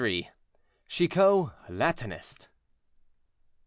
CHICOT, LATINIST.